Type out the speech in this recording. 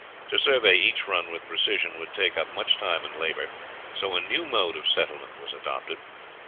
To survey each run with precision would take up much time and labour, so a new mode of settlement was adopted.